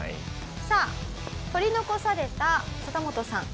さあ取り残されたササモトさん。